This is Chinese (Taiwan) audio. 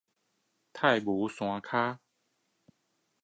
大武山下